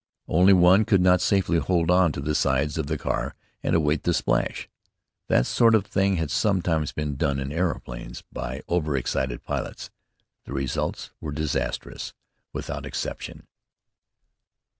Only one could not safely hold on to the sides of the car and await the splash. That sort of thing had sometimes been done in aeroplanes, by over excited pilots. The results were disastrous, without exception.